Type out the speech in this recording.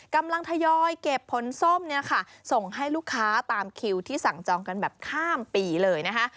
กำลังทยอยเก็บผลส้มเนี่ยค่ะส่งให้ลูกค้าตามคิวที่สั่งจองกันแบบข้ามปีเลยนะคะ